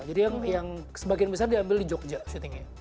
jadi yang sebagian besar diambil di jogja syutingnya